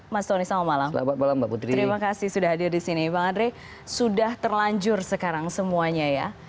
mas tony selamat malam terima kasih sudah hadir disini bang andre sudah terlanjur sekarang semuanya ya